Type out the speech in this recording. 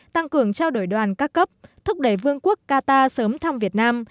tăng cường trao đổi đoàn các cấp thúc đẩy vương quốc qatar sớm thăm việt nam